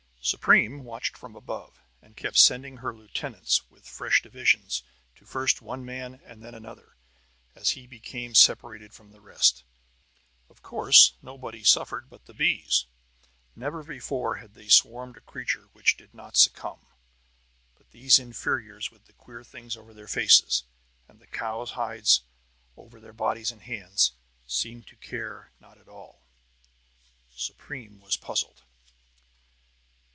Supreme watched from above, and kept sending her lieutenants with fresh divisions to first one man and then another, as he became separated from the rest. Of course, nobody suffered but the bees. Never before had they swarmed a creature which did not succumb; but these inferiors with the queer things over their faces, and the cows' hides over their bodies and hands, seemed to care not at all. Supreme was puzzled.